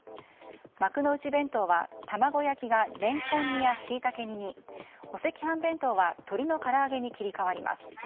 幕の内弁当は玉子焼きがレンコン煮やシイタケ煮に、お赤飯弁当は鶏のから揚げに切り替わります。